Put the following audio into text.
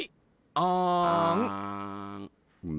あん。